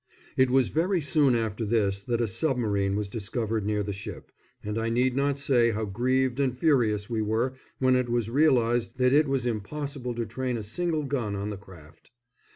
It was very soon after this that a submarine was discovered near the ship, and I need not say how grieved and furious we were when it was realised that it was impossible to train a single gun on the craft.